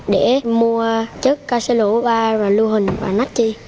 để mua chất ca xe lũ ba rồi lưu hình và nách chi